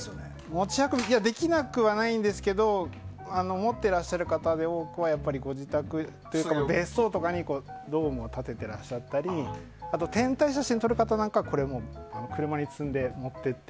持ち運びできなくはないんですけど持ってらっしゃる方で、多くはご自宅とか別荘とかにドームを建てていらっしゃったりあと天体写真を撮る方は車に積んで持って行って。